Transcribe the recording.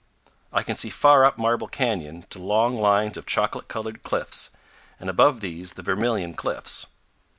I can see far up Marble Canyon to long lines of chocolate colored cliffs, and above these the Vermilion Cliffs.